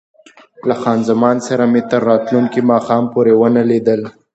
له خان زمان سره مې هم تر راتلونکي ماښام پورې ونه لیدل.